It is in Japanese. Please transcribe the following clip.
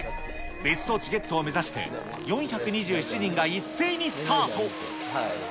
別荘地ゲットを目指して、４２７人が一斉にスタート。